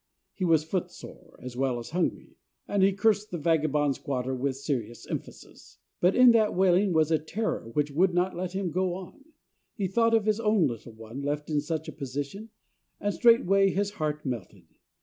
He was foot sore as well as hungry, and he cursed the vagabond squatter with serious emphasis; but in that wailing was a terror which would not let him go on. He thought of his own little one left in such a position, and straightway his heart melted.